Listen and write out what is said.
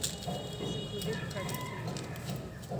This included the present Queensland.